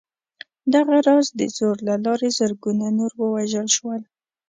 دغه راز د زور له لارې زرګونه نور ووژل شول